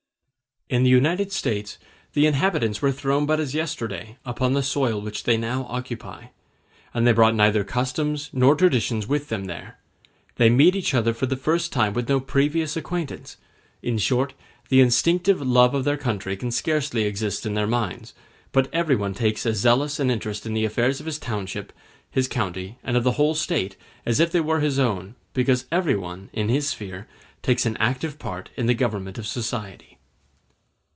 In the United States the inhabitants were thrown but as yesterday upon the soil which they now occupy, and they brought neither customs nor traditions with them there; they meet each other for the first time with no previous acquaintance; in short, the instinctive love of their country can scarcely exist in their minds; but everyone takes as zealous an interest in the affairs of his township, his county, and of the whole State, as if they were his own, because everyone, in his sphere, takes an active part in the government of society.